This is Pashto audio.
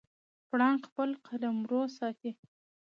پړانګ خپل قلمرو ساتي.